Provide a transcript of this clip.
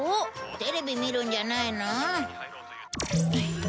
テレビ見るんじゃないの？